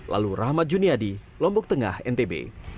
lalu rahmat juniadi lombok tengah ntb